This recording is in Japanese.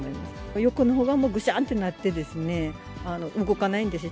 横のほうがもうぐしゃんとなっていてですね、動かないんですよ。